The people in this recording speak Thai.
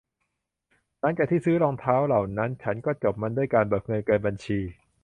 หลังจากที่ซื้อรองเท้าเหล่านั้น ฉันก็จบมันด้วยการเบิกเงินเกินบัญชี